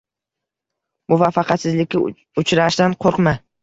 Muvaffaqiyatsizlikka uchrashdan qo‘rqma.